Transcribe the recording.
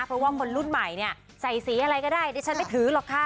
เพราะว่าคนรุ่นใหม่เนี่ยใส่สีอะไรก็ได้ดิฉันไม่ถือหรอกค่ะ